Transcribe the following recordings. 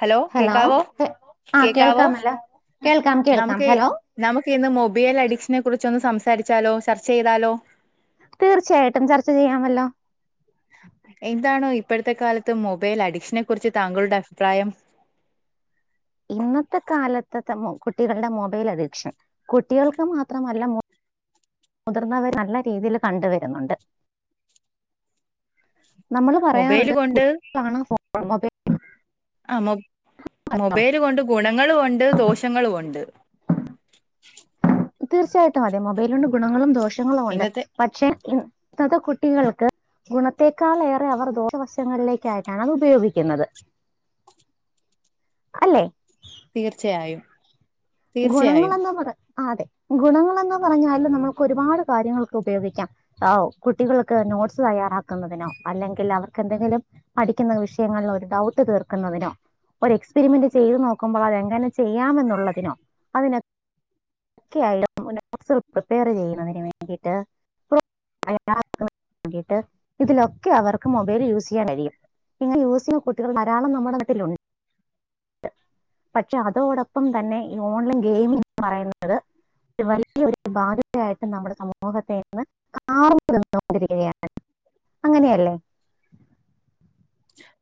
Hello കേക്കാവോ ഹെ- ആ കേക്കാവോ കേൾക്കാമല്ലോ കേൾക്കാം കേൾക്കാം നമുക്ക് ഹലോ നമുക്ക് ഇന്ന് മൊബൈൽ അഡിക്ഷനെ കുറിച്ച് കുച്ചൊന്ന് സംസാരിച്ചാലോ ചർച്ച ചെയ്താലോ തീർച്ചയായിട്ടും ചർച്ച ചെയ്യാമല്ലോ എന്താണോ ഇപ്പോഴത്തെ കാലത്ത് മൊബൈൽ അഡിക്ഷനെ കുറിച്ച് താങ്കളുടെ അഭിപ്രായം [inaudible] ഇന്നത്തെ കാലത്തെ കുട്ടികളുടെ മൊബൈൽ അഡിക്ഷൻ കുട്ടികൾക്ക് മാത്രമല്ല മുതിർന്നവര് നല്ല രീതിയില് കണ്ടുവരുന്നുണ്ട് നമ്മള് മൊബൈൽ പറയാറുണ്ട് കുികളാണ് ഫോബ ആൊ മൊബൈല് കൊണ്ട് ഗുണങ്ങൾ കൊണ്ട് രണ്ട് ദോഷങ്ങളും ഉണ്ട് തീർച്ചയായിട്ടും അതെ മൊബൈലോണ്ട് ഗുണങ്ങളും ദോഷങ്ങളും ഉണ്ട് ഇന്നത്തെ പക്ഷെ ന്നത കുട്ടികൾക്ക് ഗുണത്തേക്കാള ഏറെ അവർ ദോഷവശങ്ങളിലേക്ക ആായിട്ടാണ് അത് ഉപയോഗിക്കുന്നത് [inaudible] അല്ലേ തീർച്ചയായും തീർച്ചയായും ഗുണങ്ങളൾന്താ പറ ആ അതെ ഗുണങ്ങളെന്ന പറഞ്ഞാല് നമ്മുക്ക് ഒരുപാട് കാര്യങ്ങൾക്കെ ഉപയോഗിക്കാം കുട്ടികൾക്ക് നോട്ട്സ് തയ്യാറാക്കുന്നതിനോ അല്ലെങ്കിൽ അവർക്ക് എന്തെങ്കിലും പഠിക്കുന്ന വിഷയങ്ങളിൽ ഒരു ഡൗട്ട് തീർക്കുന്നതിനോ ഒരു എക്സ്പെരിമെന്റ് ചെയ്ത് നോക്കുമ്പോൾ അതെങ്ങനെ ചെയ്യാമെന്നുള്ളതിനോ അതിനെ- ഒക്കെ [inaudible] പ്രിപ്പയർ ചെയ്യുന്നതിന് വേണ്ടിട്ട് [inaudible] വണ്ടീട്ട് ഇതിലൊക്കെ അവർക്ക് മൊബൈല് യൂസ് ചെയ്യാൻ കഴിയും. ഇങ്ങനെ യൂസെയ്യുന്ന കുട്ടികൾ ധാരാളം നമ്മുടെ നട്ടിലുണ്ട്. പക്ഷെ അതോടൊപ്പം തന്നെ ഈ ഓൺലൈൻ ഗെയിമിഗ് ന്ന് പറയുന്നത് ഒരു വലിയ ഒരു ബാധ്യതയായിട്ട് നമ്മുടെ സമൂഹത്തെ ഇന്ന് [inaudible] അങ്ങനെയല്ലേ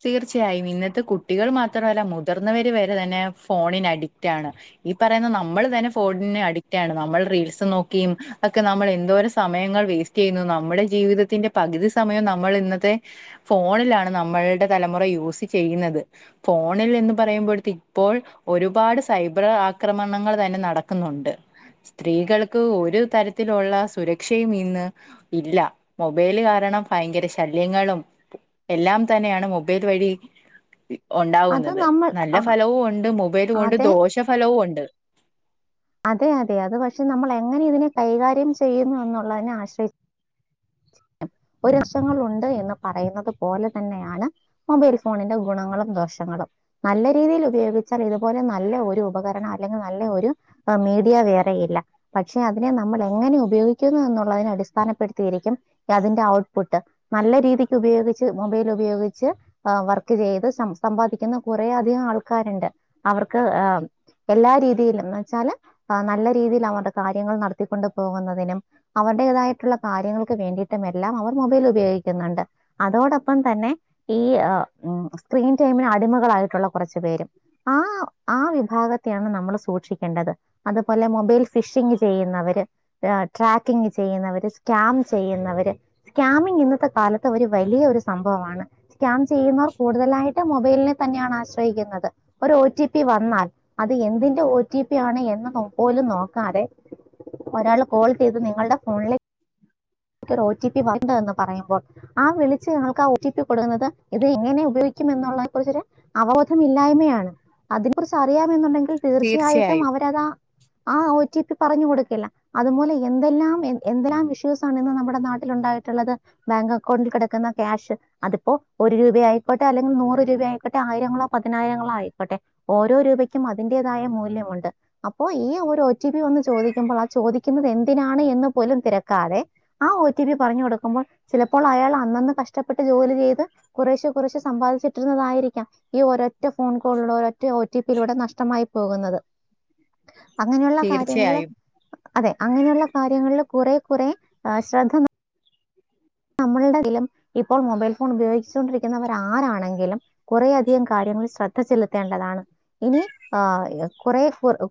തീർച്ചയായും ഇന്നത്തെ കുട്ടികൾ മാത്രല്ല മുതിർന്നവർ വരെ തന്നെ ഫോണിന് അടി റ്റാണ് ഈ പറയുന്ന നമ്മ നമ്മൾ തന്നെ ഫോണിനെ അഡിക്റ്റ് ആണ് നമ്മൾ റീൽസ് നോക്കിയും ഒക്കെ നമ്മൾ എന്തോരം സമയങ്ങൾ വേസ്റ്റ് ചെയ്യുന്നു. നമ്മുടെ ജീവിതത്തിന്റെ പകുതി സമയം നമ്മൾ ഇന്നത്തെ ഫോണിലാണ്. നമ്മള്ടെ തലമുറ യൂസ് ചെയ്യുന്നത് ഫോണിൽ എന്ന് പറയുമ്പോഴ ഇപ്പോ ഒരുപാട് [inaudible] [unintelligible] ആക്രമണങ്ങൾ തന്നെ നടക്കുന്നുണ്ട് സ്ത്രീകൾക്ക് ഒരു തരത്തിലുള്ള സുരക്ഷയും ഇന്ന് ഇല്ല മൊബൈല് കാരണം ഭയങ്കര ശല്യങ്ങളും എല്ലാം തന്നെയാണ് മൊബൈൽ വഴി അത് ഉണ്ടാവുന്നത് നമ്മൾ നല്ല ഫലവും ഉണ്ട് മൊബ ഉപയത് കൊണ്ട് അതെ ദോഷഫലവും ഉണ്ട് അതെ അതെ അത് പക്ഷെ നമ്മൾ എങ്ങനെ ഇതിനെ കൈകാര്യം ചെയ്യുന്നു എന്നുള്ളതിനെ ആശ്രയി ഒരു അഷങ്ങൾ ഉണ്ട് എന്ന് പറയുന്നത് പോലെ തന്നെയാണ് മൊബൈൽ ഫോണിന്റെ ഗുണങ്ങളും ദോഷം നല്ല രീതിയിൽ ഉപയോഗിച്ചാൽ ഇതുപോലെ നല്ല ഒരു ഉപകരണം അല്ലെങ്കിൽ നല്ല ഒരു മീഡിയ വേറെയില്ല പക്ഷെ അതിനെ നമ്മൾ എങ്ങനെ ഉപയോഗിക്കുന്നു എന്നുള്ളതിനെ അടിസ്ഥാനപ്പെടുത്തിയിരിക്കും. അതിന്റെ ഔട്ട്പുട്ട് നല്ല രീതിക്ക് ഉപയോഗിച്ച് മൊബൈൽ ഉപയോഗിച്ച് വർക്ക് ചെയ്ത് സമ്പാദിക്കുന്ന കൊറെ അധികം ആൾക്കാരുണ്ട് അവർക്ക് ആ എല്ലാ രീതിയിലും ന്ന് വെച്ചാല് നല്ല രീതിയിൽ അവരുടെ കാര്യങ്ങൾ നടത്തിക്കൊണ്ട് പോകുന്നതിനും അവർ അതിന്റേതായിട്ടുള്ള കാര്യങ്ങൾ വേണ്ടിയിട്ടും എല്ലാം അവർ മൊബൈൽ ഉപയോഗിക്കുന്നുണ്ട് അതോടൊപ്പം തന്നെ ഈ അ സ്ക്രീൻ ടൈമിന് അടിമകളായിട്ടുള്ള കുറച്ചു പേരും ആ ആ വിഭാഗത്തെയാണ് നമ്മൾ സൂക്ഷിക്കേണ്ടത്. അത് പോലെ മൊബൈൽ ഫിഷിംഗ് ചെയ്യുന്നവര് ട്രാക്കിംഗ് ചെയ്യുന്നവർ സ്ക്യാം ചെയ്യുന്നവര് സ്കാമിംഗ ഇന്നത്തെ കാലത്ത് ഒരു വലിയ ഒരു സംഭവമാണ് സ്കാം ചെയ്യുന്നവർ കൂടുതൽ യിട്ട് മൊബൈലിനെ തന്നെയാണ് ആശ്രയിക്കുന്നത് ഒരു ഒ ടി പി വന്നാൽ അത് എന്തിന്റെ ഒ ടി പി ആ പോലും നോക്കാതെ ഒരാൾ കോൾ ചെയ്ത് നിങ്ങളുടെ ഫോണിൽ ഒ ടി പി വന്നു എന്ന് പറയുമ്പോൾ ആ വിളിച്ച് ഞങ്ങക്ക് ആ ഒ ടി പി കൊടുക്കുന്നത് ഇത് ഇങ്ങനെ ഉപയോഗിക്ക [unintelligible] ള്ള ഒരു അവബോധം ഇല്ലായ്മയാണ് അതിനെ കുറിച്ച് അറിയാമെന്നുണ്ടെങ്കിൽ തീർച്ചയായിട്ടും തീർച്ചയായും അവരതാ ആ [unintelligible] പറഞ്ഞ കൊടുക്കില്ല അതു പോലെ എന്തെല്ലാം എന്തെല്ലാം വിശോസി [inaudible] [unintelligible] നമ്മുടെ നാട്ടിൽ ഉണ്ടായിട്ടുള്ളത് ബാങ്ക് അക്കൗണ്ടിൽ കിടക്കുന്ന ക്യാഷ് അതിപ്പോ ഒരു രൂപയായിക്കോട്ടെ അല്ലെങ്കിൽ നൂറ് രൂപ ആയിക്കോട്ടെ ആയിരങ്ങളോ പതിനായിരങ്ങളോ ആയിക്കട്ടെ ഓരോ രൂപക്കും അതിന്റേതായ മൂല്യമുണ്ട്. അപ്പോ ഈ ഒരു ഒ ടി പി വന്ന് ചോദിക്കുമ്പോൾ ആ ചോദിക്കുന്നത് എന്തിനാണ് എന്ന് പോലും തിരക്കാതെ ആ ഒ ടി പി പറഞ്ഞു കൊടുക്കുമ്പോൾ ചിലപ്പോൾ അയാൾ അന്നന്ന് കഷ്ടപ്പെട്ട് ജോലി ചെയ്ത് കുറേശെ കുറേശെ സമ്പാദിച്ചി [inaudible] തായിരിക്കാം ഈ ഒരൊറ്റ ഫോൺ കോളിലൂടെ ഒരൊറ്റ ഒ ടി പിയിലൂടെ നഷ്ടമായി പോകുന്നത് അങ്ങനെയുള്ള കാര്യങ്ങളില് തീർച്ചയായും അതെ അങ്ങനെയുള്ള കാര്യങ്ങളില് കുറെ കുറെ ശ്രദ്ധ നമ്മളടതയിലും ഇപ്പോൾ മൊബൈൽ ഫോൺ ഉപയോഗിച്ചൊണ്ടിരിക്കുന്നവർ ആരാണെങ്കിലും കുറേ അധികം കാര്യ ശ്രദ്ധ ചെലുത്തേണ്ടതാണ് ഇനി ആ കുറെ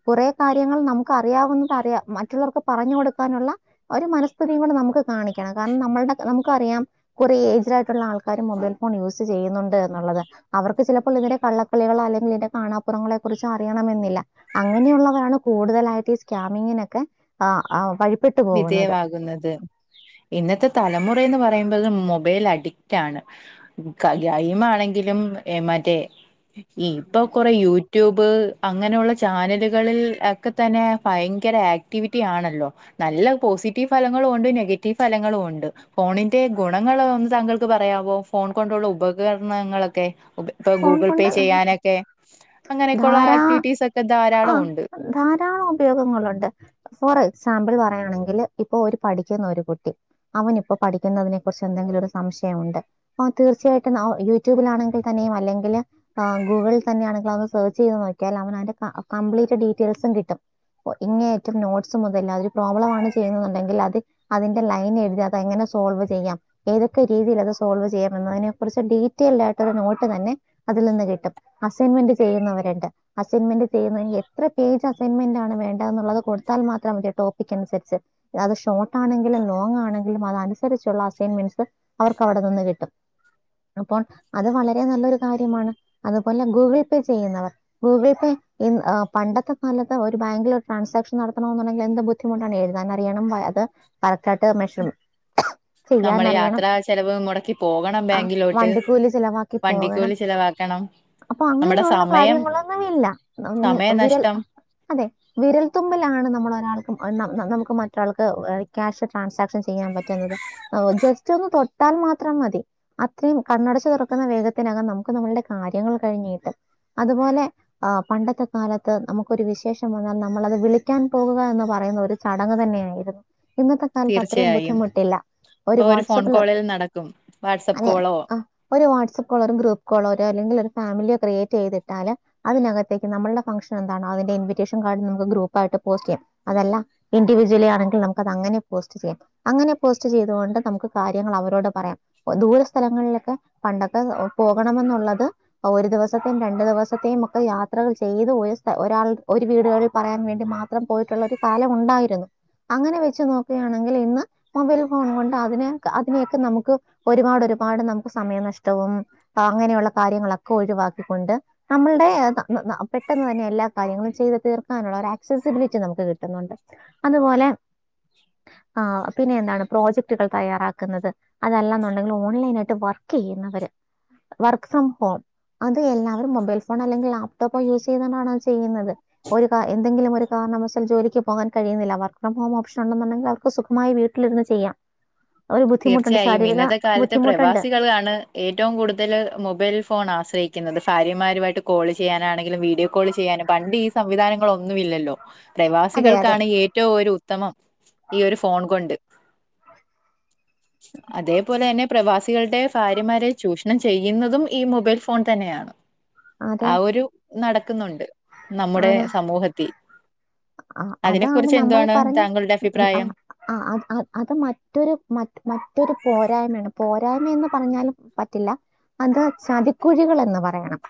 കുറെ കാര്യങ്ങൾ നമുക്ക് അറിയാവുന്നത് അറിയ മറ്റുള്ളവർക്ക് പറഞ്ഞു ടുക്കാനുള്ള ഒരു മനസ്സ്ഥിതിയും കൂടെ നമുക്ക് കാണിക്കണം കാരണം നമ്മളുടെ നമുക്കറിയാം കുറേ ഏജ് ആായിട്ടുള്ള ആൾക്കാര് മൊബൈൽ ഫോൺ യൂസ് ചെയ്യുന്നുണ്ട് എന്നുള്ളത് അവർക്ക് ചിലപ്പോ ഇതിന്റെ കള്ളക്കളികളോ അല്ലെങ്കിൽ ഇന്റെ കാണാപ്പുറങ്ങളെ കുറിച്ച് അറിയണംമെന്നില്ല അങ്ങനെയുള്ളവരാണ് കൂടുതലായിട്ട് ാമങ്ങിനൊക്കെ വിധേയമാകുന്നത് ഇന്നത്തെ തലമുറ റന്ന് പറയുമ്പത് മൊബൈൽ അഡിക്റ്റ് ആണ് ഗെയിം ആണെങ്കിലും മറ്റേ ഇപ്പൊ കൊറ യൂട്യൂബ് ് അങ്ങനെയുള്ള ചാനലുകളിൽ ഒക്കെ തന്നെ ഭയങ്കര ആക്ടിവിറ്റി ആണല്ലോ നല്ല പോസിറ്റീവ് ഫലങ്ങളും ഉണ്ട് നെഗറ്റീവ് ഫലങ്ങളും ഉണ്ട് ഫോണിന്റെ ഗുണങ്ങളൾ ഒന്ന് താങ്കൾക്ക് പറയാം അ ഫോൺ കൊണ്ടുള്ള ഉപകരണങ്ങളൊക്കെ ഇപ്പൊ ഫോൺ ഗൂഗിൾ പേ കൊണ്ട് ചെയ്യാനൊക്കെ അങ്ങനെയൊക്കെയള്ള ധാരാ ആക്ടിവിറ്റീസ് ഒക്കെ ധാരാളമ ആഹ് ഉണ്ട് ധാരാളം ഉപയോഗങ്ങളുണ്ട് ഫോറ സാമ്പിൾ പറയുകയാണെങ്കിൽ ഇപ്പൊ ഒരു പഠിക്കുന്ന ഒരു കുട്ടി അവൻ ഇപ്പ പഠിക്കുന്നതിനെ കുറിച്ച് എന്തെങ്കിലും ഒരു സംശയം വിഷയമുണ്ട് അ തീർച്ചയായിട്ടും യൂട്യൂബിലാണെങ്കിൽ തെനയു അല്ലെങ്കിൽ ഗൂഗിളിൽ തന്നാണെങ്കിൽ അത് സെർച്ച് ചെയ്ത് നോക്കിയാൽ അവ നാന്റെ കംപ്ലീറ്റ് ഡീറ്റെയിൽസ് സും കിട്ടും ഓ ഇങ്ങെ അറ്റം നോട്ട്സ് മുതല്ഒരു പ്രോബ്ലം ആണ് ചെയ്യുന്നുണ്ടെങ്കിൽ അത് അതിന്റെ ലൈൻ എഴുതി അതങ്ങനെ സോൾവ് ചെയ്യാം ഏതൊക്കെ രീതിയിൽ അത് സോൾവ് ചെയ്യാം എന്നതിനെ കുറിച്ച് ഡീറ്റെയിൽഡ് ആയിട്ട് ഒരു നോ ട്ട് തന്നെ അതിൽ നിന്ന് കിട്ടും അസൈമെന്റ് ചെയുന്നവര്ണ്ട് അസൈമെന്റ് ചെയുന്നതിന് എത്ര പേജ് അസൈമെന്റാണ് വേണ്ട എന്നുള്ളത് കൊടുത്താൽ മാത്രം മ്മക്ക് ടോപ്പിക്കനുസരിച്ച് അത് ഷോർട്ടാണെങ്കിലും ലോങ്ങാണെ ങ്കിലും അതനുസരിച്ചുള്ള അസൈമെന്റ്സ് അവർക്ക് അവിടെന്ന് കിട്ടും അപ്പോ അത് വള രെ നല്ലെരു കാര്യമാണ് അതുപോലെ ഗൂഗിൾ പേ ചെയ്യുന്നവർ ഗൂഗിൾ പേ പണ്ടത്തെ കാല ഇന്നത്തെ ഒരു ബങ്കിൽ ട്രാൻസാക്ഷൻ നടത്തണോന്നുണ്ടെങ്കിൽ എന്ത് ബുദ്ധിമുട്ടാണ് എഴുതാൻ അറിയണം [unintelligible] ല കാട്ടെ [unintelligible] നമ്മള് യാത്ര ചെലവ് മുടക്കി പോകണം ബാങ്കിലോട്ട് വണ്ടിക്കൂലി ചിലവാക്കി പോകണം വണ്ടിക്കൂലി ചിലവാക്കണം അപ്പൊ അങ്ങനെയുള്ള കാര്യങ്ങളൊന്നും ഇല്ല വിരൽ സമയനഷ്ടം അതെ വിരൽത്തുമ്പലാണ് നമ്മള ഒരാൾക്ക് നമുക്ക് മറ്റൊരാൾക്ക് ക്യാഷ് ട്രാൻസാക്ഷൻ ചെയ്യാൻ പറ്റുന്നത് ജസ് റ്റ് ഒന്ന് തൊട്ടാ ൽ മാത്രം മതി അത്രയും കണ്ണടച്ച് തുറക്കുന്ന വേഗത്തിനകം നമുക്ക് നമ്മളുടെ കാര്യങ്ങൾ കഴിഞ്ഞിട്ടും അതുപോലെ ആപണ്ടത്തെ കാലത്ത് നമുക്കൊരു വിശേഷം വന്നാൽ നമ്മളത് വിളിക്കാൻ പോകുക എന്ന് പറഞ്ഞ പറയുന്ന ഒരു ചടങ്ങ് തന്നെയായിരുന്നു ഇന്നത്തെ കാലത്ത് അത്രയും തീർച്ചയായും ബുദ്ധിമുട്ടില്ല ഒരു ഇപ്പൊ ഫോൺ വാട്സപ്പില് കോളിൽ നടക്കും വാട്സആപ്പ് അതെ കോളോ ആ ര് കോളോ ഗ്രൂപ്പോ അല്ലെങ്കിൽ ഫാമിലിയോ ക്രിയേറ്റ് ചെയ്തിട്ടാല് അതിനകത്തേ ക്ക്നമ്മുടെ ഫംഗ്ഷൻ എന്താ ണേ അത് ഇൻവിറ്റേഷൻ കാർഡ നമക്ക് ഗ്രൂപ്പ്ായിട്ട് പോസ്റ്റ് ചെയ്യാം അതല്ല ഇൻിവിജവലി ആണെങ്കിൽ നമുക്കത് അങ്ങനെ പോസ്റ്റ് ചെയ്യാം അങ്ങനെ പോസ്റ്റ് ചെയ്ത കൊണ്ട് നമുക്ക് കാര്യങ്ങൾ അവരോട് പറയാം ദൂര സ്ഥലങ്ങളിലൊക്കെ പണ്ടൊ പോകണെന്നുള്ളത് ഒരു ദിവസത്തെയും രണ്ട്ദിവസത്തെയും ഒക്കെ യാത്രകൾ ചെയ്ത് പോയി ഒരാൾ ഒരു വീടുകളിൽ പറയാൻ വേണ്ടി മാത്രം പോയിട്ടുള്ള ഒരു കാലം ഉണ്ടായിരുന്നു അങ്ങനെ വെച്ച് നോക്കുകയാണെങ്കിൽ ഇന്ന് മൊബൈൽ ഫോൺ കൊണ്ട് അതിന അതിനെയൊക്കെ നമുക്ക് ഒരുപാട് പാ പാട് നമുക്ക് സമയ നഷ് ട്ടവുംഅങ്ങനെയുള്ള കാര്യങ്ങളൊക്കെ ഒഴിവാക്കിക്കൊണ്ട് നമ്മളുടെ പെട്ടെന്ന് തന്നെ എല്ലാ കാര്യങ്ങളും ചെയ്ത് തീർക്കാനുള്ള ആക്സസിബിലിറ്റി നമുക്ക് കിട്ടുന്നുണ്ട് അതുപോലെ ആ പിന്നെ എന്താണ് പ്രോജക്ടുകൾ തയ്യാറാക്കുന്നത് അതല്ലാെന്നുണ്ടെങ്കിൽ ഓൺലൈൻ ആയിട്ട് വർക്ക് ചെയ്യുന്നത് വർക്ക് ഫ്രം ഹോം അത് എല്ലാവരും മൊബൈൽ ഫോണോ അല്ലെങ്കിൽ ലാപ്ടോപ്പ യൂസ് ചെയ്തൊണ്ടാണ് അത് ചെയ്യുന്നത് ഒരു എന്തെങ്കിലും ഒരു ൽ ജോലിക്ക് പോകാൻ കഴുന്നില്ല വർക്ക് ഫ്രം ഹോം ഓപ്ഷൻ ഉണ്ടെന്നുണ്ടെങ്കി അവർക്ക് സുഖമായി വീട്ടിലരുന്ന് ചെയ്യാം ഒരു ബുദ്ധിമുട്ടുണ്ട് തീർച്ചയായും ശാരീരിക ഇന്നത്തെ കാലത്തെ ബുദ്ധിമുട്ടുണ്ട് പ്രവാസികളാണ് ഏ ഏറ്റവും കൂടുതൽ മൊബൈൽ ഫോൺ ആശ്രയിക്കുന്നത് ഭാര്യമാരുമായിട്ട് കോൾ ചെയ്യാനാണെങ്കിലും വീഡിയോ കോൾ ചെയ്യാനും പറ്റു പണ്ട് ഈ സംവിധാനങ്ങളോ ഒന്നുമ ഇില്ലല്ലോ അതെ അതെ പ്രവാസികൾക്കാണ് ഏറ്റവും ഒരു ഉത്തമം ഈ ഒരു ഫോൺ കൊണ്ട് [inaudible] അതേപോലെ തന്നെ പ്രവാസികളുടെ ഭാര്യമാരെ ചൂഷണം ചെയ്യുന്നതും ഈ മൊബൈൽ ഫോൺ തന്നെയാണ് അതെ ആ ഒരു നടക്കുന്നുണ്ട് നമ്മുടെ ആണ് സമൂഹത്തി ആ അതാണ് നമ്മൾ പറഞ്ഞ താങ്കളുടെ അഭിപ്രായം ആ അത് മറ്റൊരു മ മറ്റൊരു പോരായ്മയാണ് പോരായ്മയന്ന് പറഞ്ഞാലും പറ്റില്ല അത് ചതിക്കുഴികൾ എന്ന് പറയണം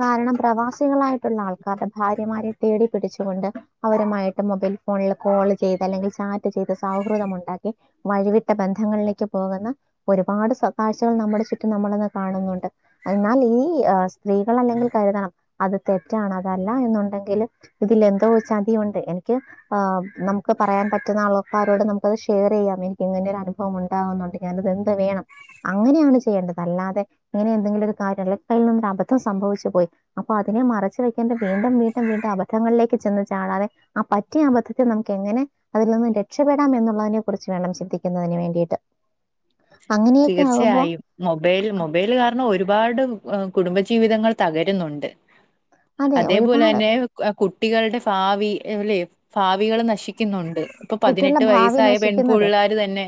കാരണം പ്രവാസികളായി ആൾക്കാരുടെ ഭാര്യമാരെ തേടി പിടിച്ചുകൊണ്ട് അവരുമായിട്ട് മൊബൈൽ ഫോണിൽ കോൾ ചെയ്ത് അല്ലെങ്കിൽ ചാ- ചാറ്റ് ചെയ്ത് സൗഹൃദം ഉണ്ടാക്കി വഴിവിട്ട ബന്ധങ്ങളിലേക്ക് പോകുന്ന ഒരുപാട് കാഴ്ചകൾ നമ്മുടെ ചുറ്റും നമ്മളിന്ന് കാണുന്നുണ്ട് എന്നാൽ ഈ സ്ത്രീകൾ അല്ലെങ്കിൽ കരുതണം അത് തെറ്റാണ് അതല്ല എന്നുണ്ടെങ്കിൽ ഇതിൽ എന്തോ ചതി ഉണ്ട് എനിക്ക് നമുക്ക് പറയാൻ പറ്റുന്ന ആളക്കാരോട് നമുക്കത് ഷെയർ ചെയ്യാം എനിക്ക് ഇങ്ങനെ ഒരു അനുഭവം ഉണ്ടാവുന്നുണ്ട് ഞാനത് എന്ത് വേണം അങ്ങനെയാണ് ചെയ്യേണ്ടത് അല്ലാതെ ഇങ്ങനെ എന്തെങ്കിലും ഒരു കാര്യം കയ്യിൽ നിന്നൊരു അബദ്ധം സംഭവിച്ചു പോയി അപ്പൊ അത് അതിനെ മറിച്ച വെക്കണ്ട വീണ്ടും വീണ്ടും വീണ്ടും അബധങ്ങളിലേക്ക് ചെന്ന് ചാടാതെ ആ പറ്റിയ അബദ്ധത്തെ നമുക്ക് എങ്ങനെ അതിൽ നിന്നും രക്ഷപപ്പെടാം എന്നുള്ളതിനെ കുറിച്ച് വേണം ചിന്തിക്കുന്നതിന് വേണ്ടിയിട്ട് അങ്ങനെയൊക്കെ ആകുമ്പോൾ തീർച്ചയായും മൊബൈൽ മൊബൈല് കാരണം ഒരു ഒരുപാട് കുടുംബജീവിതങ്ങൾ തകരുന്നുണ്ട് അതെ അതേപോലെ ഒരുപാട് തന്നെ കുട്ടികളുടെ ഭാവി അല്ലെ ഭാവികൾ നശിക്കുന്നുണ്ട് ഇപ്പൊ കുട്ടികളുടെ പതിനെട്ട് ഭാവി വയസ്സായ നശിക്കുന്നത് പെൺപുള്ളേർ തന്നെ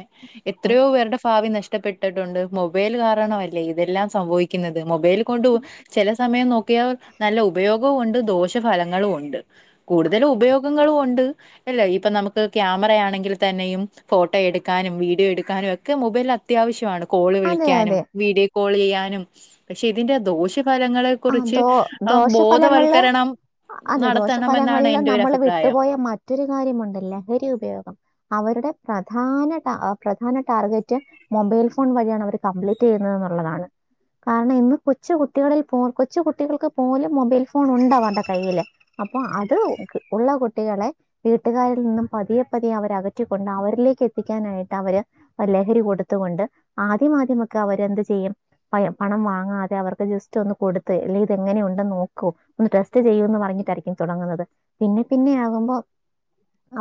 ഉം. എത്രയോ പേരുടെ ഭാവി നഷ്ട നഷ്ടപ്പെട്ടിട്ടുണ്ട് മൊബൈൽ കാരണം അല്ലേ ഇതെല്ലാം സംഭവിക്കുന്നത് മൊബൈൽ കൊണ്ട് ചില സമയം നോക്കിയാൽ നല്ല ഉപയോഗവും ഉണ്ട് ദോഷഫലങ്ങളും ഉണ്ട് കൂടുതലും ഉപയോഗങ്ങളും ഉണ്ട് അല്ല ഇ നമുക്ക് ക്രാമറയാണങ്കിലും ക്കെതന്നെയും ഫോട്ടോ എടുക്കാനും വീഡിയോ എടുക്കാനും ഒക്കെ മൊബൈലിൽ അത്യാവശ്യമാണ് കോള് അതെ വിളിക്കാനും അതെ വീഡിയോ കോൾ ചെയ്യാനും പക്ഷെ ഇതിന്റെ ദോഷം ഫലങ്ങളെ ആ കുറിച്ച് ദോ ദോഷഫലങ്ങളില് ബോധവൽക്കരണം അതെ നടത്തണം എന്നാണ് ദോഷഫലങ്ങളിൽ എന്റെ ഒരു നമ്മള് അഭിപ്രായം വിട്ടുപോയ മറ്റൊരു കാര്യമുണ്ട് ലഹരി ഉപയോഗം അവരുടെ പ്രധാന ടാ പ്രധാന ടാർഗറ്റ് മൊബൈൽ ഫോൺ വഴിയാണ് അവര് കംപ്ലീറ്റ് ചെയ്യുന്നത് എന്നുള്ളതാണ് കാരണം ഇന്ന് കൊച്ചു കുട്ടികളിൽ കൊച്ചു കുട്ടികൾക്ക് പോലും മൊബൈൽ ഫോൺ ഉണ്ടവരുടെ കയ്യില് അപ്പോ അത് ഉള്ള കുട്ടിക- ളെ വീട്ടുകാരിൽ നിന്നും പതിയെ പതിയെ അവര അകറ്റിക്കൊണ്ട് അവരിലേക്ക് എത്തിക്കാനായിട്ട് അവര് അല്ലെ ലഹരി കൊടുത്തു കൊണ്ട് ആദ്യ ആദ്യമൊക്കെ അവരെന്ത് ചെയ്യും പണം വാങ്ങാതെ അവർക്ക് ജെസ്- സ്റ്റു ഒന്ന് കൊടുത്ത് അല്ലേൽ ഇത് എങ്ങനെ ഉണ്ടെന്ന് നോക്കോ ഒന്ന് ടെസ്റ്റ് ചെയ്യോ എന്ന് പറഞ്ഞിട്ടായിരിക്കും തുടങ്ങുന്നത് പിന്നെ പിന്നെ ആകുമ്പോ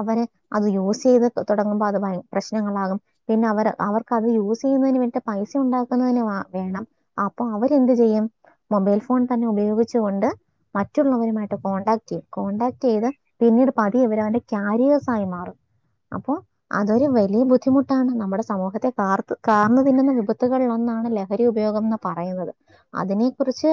അവരെ അത് യൂസ് ചെയ്ത് തുടങ്ങുമ്പോ അത് പ്രശ്നങ്ങളാകും പിന്നെ അവർ അവർക്ക്ത് യൂസ് ചെയ്യുന്നതിന് വേണ്ടി പൈസ ഉണ്ടാക്കുന്നതിന് വേണം അപ്പൊ അവരെന്ത് ചെയ്യും മൊബൈൽ ഫോൺ തന്നെ ഉപയോഗിച്ചുകൊണ്ട് മറ്റുള്ളവരുമായിട്ട് കോൺണ്ടാക്ട് ചെയ്യും കോടാക്ട് ചെയ്ത് പിന്നീട് പതിയെ അവര് അവന്റെ കാരിയേഴ്സ് ആയി മാറും അപ്പോ അതൊരു വലിയ ബുദ്ധിമുട്ടാണ് നമ്മുടെ സമൂഹത്തെ കാർത്ത് കാർന്നു തിന്നുന്ന വിപത്തുകളിലൊന്ന് ആണ്ന്ന് ലഹരി ഉപയോഗമെന്ന് പറയുന്നത് അതിനെ കുറിച്ച്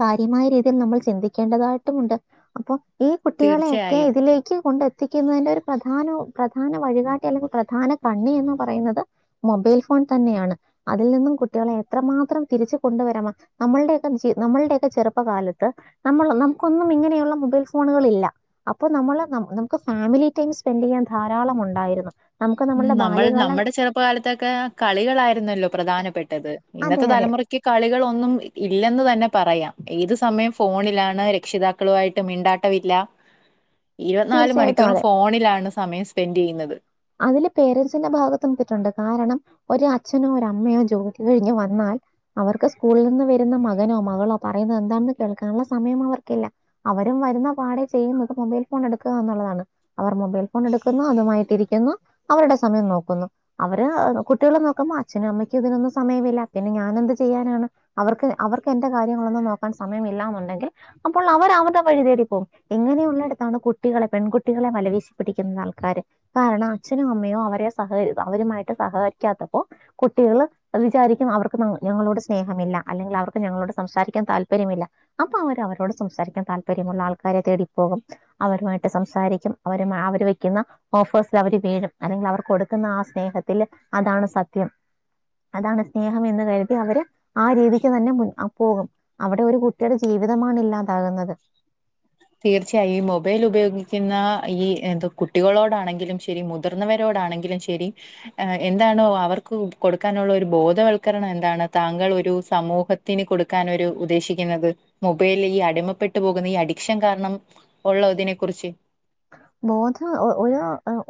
കാര്യമായ രീതിയിൽ നമ്മൾ ചിന്തിക്കേണ്ടതായിട്ടുമുണ്ട് അപ്പൊ ഈ കുട്ടികളെയൊക്കെ തീർച്ചയായും ഇതിലേക്ക് കൊണ്ട- ത്തിക്കുന്നതിന്റെ ഒരു പ്രധാന പ്രധാന വഴികാട്ടി അല്ലെങ്കിൽ പ്രധാന കണ്ണി എന്ന് പറയുന്നത് മൊബൈൽ ഫോൺ തന്നെയാണ് അതിൽ നിന്നും കുട്ടികളെ എത്രമാത്രം തിരിച്ച് കൊണ്ടുവരാ നമ്മുടെെ നമ്മുടെ ഒക്കെ ചെറുപ്പകാലത്ത് നമ്മൾ നമുക്കൊന്നും ഇങ്ങനെയുള്ള മൊബൈൽ ഫോൺ ണുകളില്ല അപ്പൊ നമ്മള് നമുക്ക് ഫാമിലി ടൈം സ്പെൻഡ് ചെയ്യാൻ ധാരാളം ഉണ്ടായിരുന്നു നമുക്ക് ഉം നമ്മളുടെ നമ്മൾ ബാല്യകാലം നമ്മുടെ ചെറുപ്പകാലത്തൊക്കെ കളികളായിരുന്നല്ലോ പ്രധാനപ്പെട്ടത് അതെ ഇന്നത്തെ അതെ തലമുറ കളികളൊന്നും ഒന്നും ഇല്ലെന്ന് തന്നെ പറയാം ഏത് സമയം ഫോണിലാണ് രക്ഷിതാക്കളുമായിട്ട് മിണ്ടാട്ടമില്ല ഇരുപത്തിനാല് തീർച്ചയായിട്ടും മണിക്കൂർ അതെ ഫോണിലാണ് സമയം സ്പെൻഡ് ചെയ്യുന്നത് അതില് പേരൻസിന്റെ ഭാഗത്തും തെറ്റുണ്ട് കാരണം ഒരു അച്ഛനോ ഒരമ്മയോ ജോലി കഴിഞ്ഞ് വന്നാൽ അവർക്ക് സ്കൂളിൽ നിന്ന് വരുന്ന മകനോ മകളോ പറയുന്നത് എന്താണെന്ന് കേൾക്കാനുള്ള സമയം അവർക്കില്ല അ- അവരും വരുന്നപാടെ ചെയ്യുന്നത് മൊബൈൽഫോണെടുക്കന്നുള്ളതാണ് അവർ മൊബൈൽ ഫോണെടുക്കുന്നു അതുമായിട്ടിരിക്ക [unintelligible] അവരുടെ സമയം നോക്കുന്നു അവര് കുട്ടികളെനോക്കുമ്പോ അച്ഛനും അമ്മയ്ക്കും ഇതിനൊന്നുസമയമില്ല പിന്നെ ഞാനെന്തുചെയ്യാനാണ് അവർക്ക് അവർക്ക് എന്റെ കാര്യങ്ങളൊന്നും നോക്കാൻ സമയമില്ലന്നുണ്ടെങ്കിൽ അപ്പോൾ അവ [unintelligible] വഴിതേടിപ്പോവും ഇങ്ങനെയുള്ളിടത്താണ് കുട്ടികളെ പെൺകുട്ടികളെ വലവേശിപ്പിടിക്കുന്ന ആൾക്കാര്. കാരണം അച്ഛനും അമ്മയും അവരെ സഹക അവരുമായിട്ട് സഹകരിക്കാത്തപ്പോ കുട്ടികള് വിചാരിക്കു അവർക്ക് [unintelligible] ഞങ്ങളോട് സ്നേഹമില്ല അല്ലെങ്കിൽ അവർക്ക് ഞങ്ങളോട് സംസാരിക്കാൻ താല്പര്യമില്ല അപ്പൊഅവർ അവരോട് സംസാരിക്ക [unintelligible] താല്പര്യമുള്ള ആൾക്കാരെതേടിപ്പോകും അവരുമായിട്ട് സംസാരിക്കും അവരുമാ അവര് വെക്കുന്ന ഓഫേഴ്സിൽ അവര് വീഴും അല്ലെങ്കിൽ അവർ കൊടുക്കുന്ന ആ സ്നേഹത്തില് അതാണ് സത്യം. അതാണ് സ്നേഹമെന്ന് കരുതി അവര് ആ രീതിക്ക്തന്നെ മുൻഅ പോകും അവിടെ ഒരു കുട്ടിയുടെ ജീവിതമാണിഇല്ലാതാകുന്നത്. തീർച്ചയായും ഈ മൊബൈൽ ഉപയോഗിക്കുന്ന ഈ എന്ത കുട്ടികളോടാണെങ്കിലും ശരി മുതിർന്നവരോട് എന്താണെങ്കിലും ശരി എ എന്താണോ അവർക്ക് കൊടുക്കാനുള്ള ഒരു ബോധവൽക്കരണം എന്താണ് താങ്കൾ ഒരു സമൂഹത്തിന് കൊടുക്കനൊരു ഉദ്ദേശിക്കുന്നത് മൊബൈല് ഈ അടിമപ്പെട്ട് പോകുന്ന ഈ [unintelligible] ലക്ഷ്യംകാരണം ഉള്ളോ ഇതിനെ കുറിച്ച് ബോധം ഒരു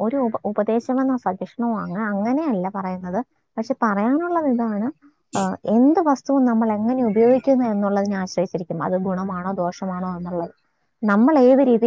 ഒരു ഉ ഉപദേശമെന്ന സജിഷ്ണുവൊ അങ്ങനെയല്ല പറയുന്നത് പക്ഷെ പറയാനുള്ളത് ഇതാണ് അ എന്ത് വസ് തും നമ്മളെങ്ങനെ ഉപയോഗിക്കുന്നു എന്നുള്ളതിനെ ആശ്രയിച്ചിരിക്കും അത് ഗുണമാണോ ദോഷമാണോന്നുള്ളത്. നമ്മൾ ഏത് രീതി